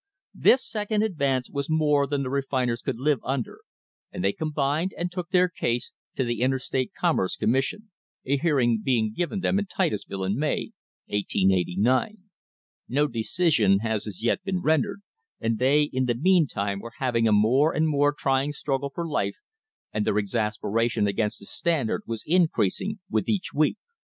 This second advance was more than the refiners could live under, and they com bined and took their case to the Interstate Commerce Com mission, a hearing being given them in Titusville in May, 1889. No decision had as yet been rendered, and they in the meantime were having a more and more trying struggle for life, and their exasperation against the Standard was increas ing with each week.